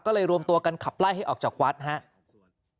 ก็เลยรวมตัวกันขับไล่ให้ออกจากวัดครับ